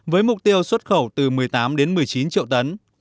với mục tiêu xuất khẩu từ một mươi tám đến một mươi chín triệu tấn